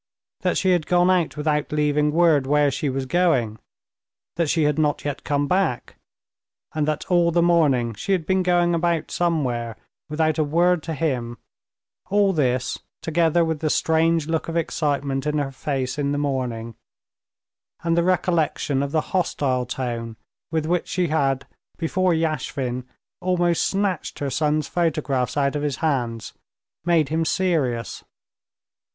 That she had gone out without leaving word where she was going, that she had not yet come back, and that all the morning she had been going about somewhere without a word to him—all this, together with the strange look of excitement in her face in the morning, and the recollection of the hostile tone with which she had before Yashvin almost snatched her son's photographs out of his hands, made him serious.